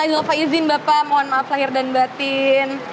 inilah izin bapak mohon maaf lahir dan batin